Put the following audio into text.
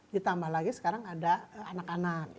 ditambah lagi sekarang ada anak anak